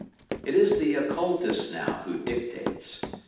It is the Occultist now who dictates.